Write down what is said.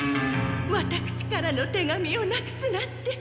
ワタクシからの手紙をなくすなんて。